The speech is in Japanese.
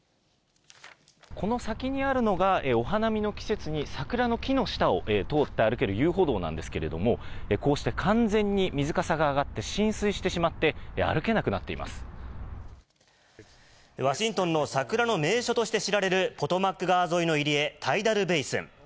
この先にあるのが、お花見の季節に桜の木の下を通って歩ける遊歩道なんですけれども、こうして完全に水かさが上がって、浸水してしまって、歩けなくなっワシントンの桜の名所として知られるポトマック川沿いの入り江、タイダル・ベイスン。